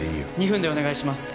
２分でお願いします。